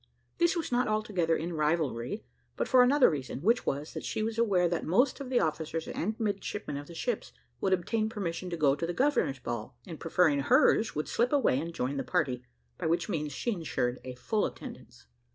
This was not altogether in rivalry, but for another reason, which was, that she was aware that most of the officers and midshipmen of the ships would obtain permission to go to the governor's ball, and preferring hers, would slip away and join the party, by which means she insured a full attendance.